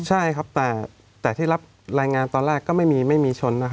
ใช่ครับแต่ที่รับรายงานตอนแรกก็ไม่มีไม่มีชนนะครับ